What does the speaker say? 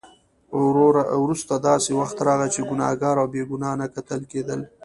وروسته داسې وخت راغی چې ګناهګار او بې ګناه نه کتل کېدل.